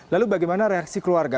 lalu bagaimana reaksi keluarga